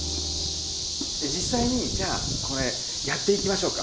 実際にじゃあこれやっていきましょうか。